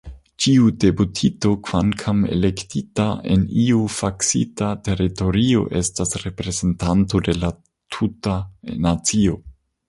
Ĉiu deputito, kvankam elektita en iu fiksita teritorio, estas reprezentanto de la tuta nacio.